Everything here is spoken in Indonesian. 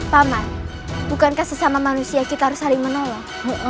paman bukankah sesama manusia kita harus saling menolong